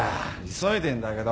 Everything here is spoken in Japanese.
急いでんだけど。